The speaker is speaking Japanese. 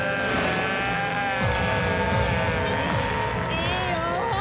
いいよ！